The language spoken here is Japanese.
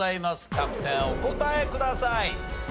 キャプテンお答えください。